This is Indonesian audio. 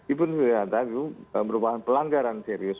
ibu nkri itu merupakan pelanggaran serius